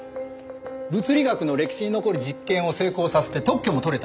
物理学の歴史に残る実験を成功させて特許も取れた。